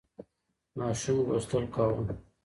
ماشوم لوستل کاوه.